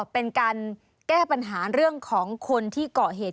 เป็นการแก้ปัญหาเรื่องของคนที่เกาะเหตุ